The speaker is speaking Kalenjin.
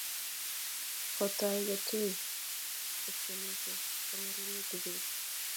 Kotoi kotui beskenisiek kongeringitu bek